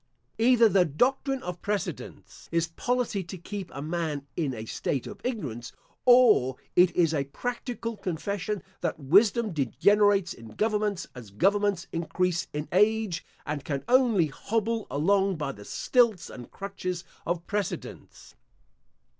Either the doctrine of precedents is policy to keep a man in a state of ignorance, or it is a practical confession that wisdom degenerates in governments as governments increase in age, and can only hobble along by the stilts and crutches of precedents.